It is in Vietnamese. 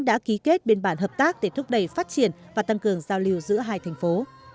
đã ký kết biên bản hợp tác để thúc đẩy phát triển và tăng cường giao lưu giữa hai thành phố